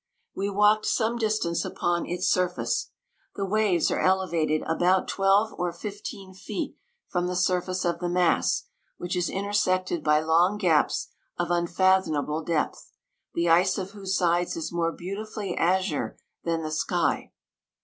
We walked some distance upon its surface. The waves are elevated about 12 or 15 feet from the surface of the mass, which is intersected by long gaps of unfathomable depth, the ice of whose sides is more beautifully azure than the sky.